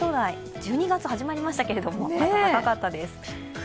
１２月始まりましたけど、暖かかったです。